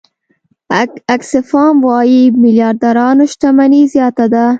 آکسفام وايي میلیاردرانو شتمني زیاته ده.